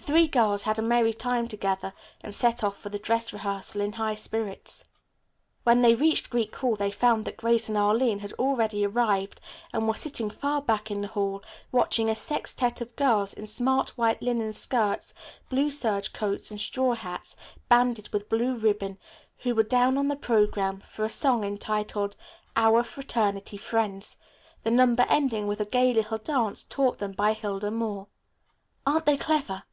The three girls had a merry time together and set off for the dress rehearsal in high spirits. When they reached Greek Hall they found that Grace and Arline had already arrived and were sitting far back in the hall watching a sextette of girls in smart white linen skirts, blue serge coats and straw hats, banded with blue ribbon, who were down on the programme for a song entitled "Our Fraternity Friends," the number ending with a gay little dance taught them by Hilda Moore. "Aren't they clever?"